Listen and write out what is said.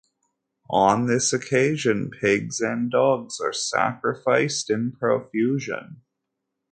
On this occasion, pigs and dogs are sacrificed in profusion.